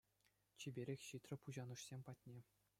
Чиперех ҫитрӗ пуҫанӑшсем патне.